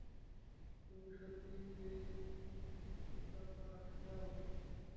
তুমি কি সত্যিই এই ড্রোটা পাঠাতে চাও?